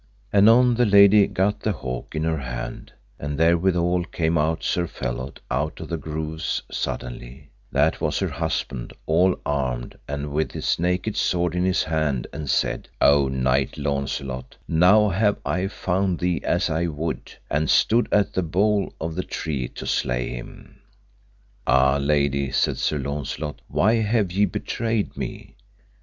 Anon the lady gat the hawk in her hand; and therewithal came out Sir Phelot out of the groves suddenly, that was her husband, all armed and with his naked sword in his hand, and said: O knight Launcelot, now have I found thee as I would, and stood at the bole of the tree to slay him. Ah, lady, said Sir Launcelot, why have ye betrayed me?